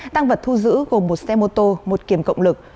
tăng vật thu giữ gồm một xe mô tô một kiềm cộng lực